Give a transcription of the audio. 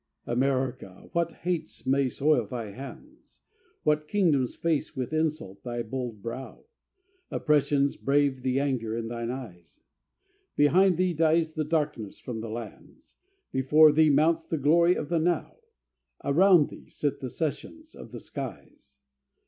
America, what hates may soil thy hands? What kingdoms face with insult thy bold brow? Oppressions brave the anger in thine eyes? Behind thee dies the darkness from the lands: Before thee mounts the glory of the Now: Around thee sit the sessions of the skies.